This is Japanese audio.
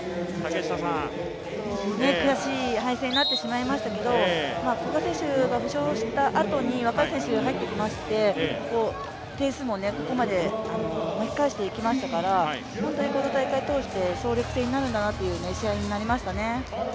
悔しい敗戦になってしまいましたけれども、古賀選手が負傷したあとに、若い選手が入ってきまして点数もここまで巻き返していきましたから、本当にこの大会通して総力戦になるんだなという試合になりましたね。